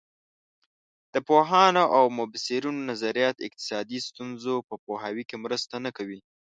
د پوهانو او مبصرینو نظریات اقتصادي ستونزو په پوهاوي کې مرسته نه کوي.